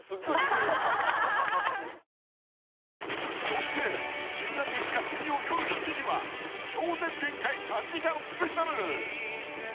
［そして１０月５日水曜夜７時は『超絶限界』３時間スペシャル］